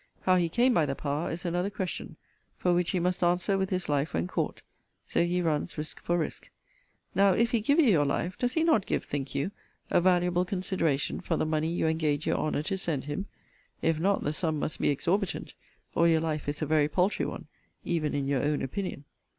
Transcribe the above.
How he came by the power is another question; for which he must answer with his life when caught so he runs risque for risque. Now if he give you your life, does he not give, think you, a valuable consideration for the money you engage your honour to send him? If not, the sum must be exorbitant, or your life is a very paltry one, even in your own opinion.